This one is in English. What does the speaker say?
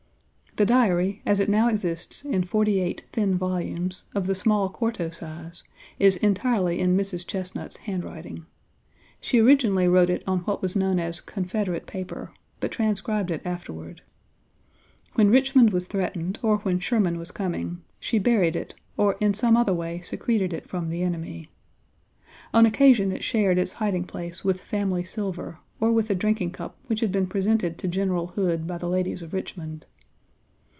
The Diary, as it now exists in forty eight thin volumes, of the small quarto size, is entirely in Mrs. Chesnut's handwriting. She originally wrote it on what was known as "Confederate paper," but transcribed it afterward. When Richmond was threatened, or when Sherman was coming, she buried it or in some other way secreted it from the enemy. On occasion it shared its hiding place with family silver, or with a drinking cup which had been presented to General Hood by the ladies of Richmond.